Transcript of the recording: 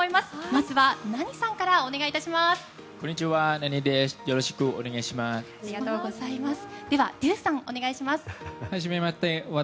まずはナニさんからお願いします。